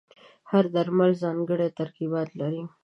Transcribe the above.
هر درمل ځانګړي ترکیبات لري.